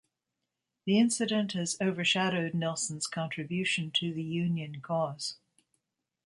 The incident has overshadowed Nelson's contribution to the Union cause.